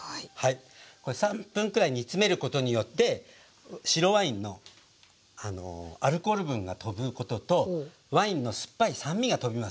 これ３分くらい煮詰めることによって白ワインのアルコール分がとぶこととワインの酸っぱい酸味がとびます。